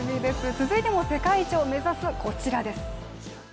続いても世界一を目指すこちらです。